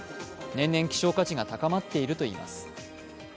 年々、希少価値が高まっているといいます。